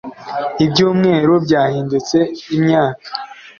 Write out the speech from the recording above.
ibyumweru byahindutse imyaka.